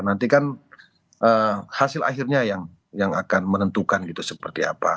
nanti kan hasil akhirnya yang akan menentukan gitu seperti apa